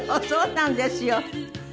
そうなんですよ。